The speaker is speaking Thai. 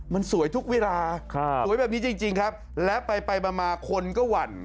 มันสวยทุกเวลาสวยแบบนี้จริงครับและไปมาคนก็หวั่น